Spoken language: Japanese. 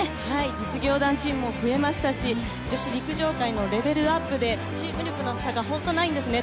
実業団チームも増えましたし女子陸上界のレベルアップでチーム力の差が本当にないんですね。